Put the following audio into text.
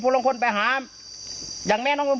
ละจ๊ะ